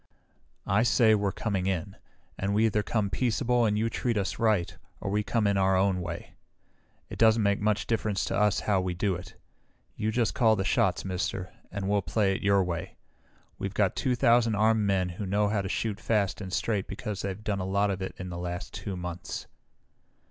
"I say we're coming in, and we either come peaceable and you treat us right or we come in our own way. It doesn't make much difference to us how we do it. You just call the shots, Mister, and we'll play it your way. We've got two thousand armed men who know how to shoot fast and straight because they've done a lot of it the last two months.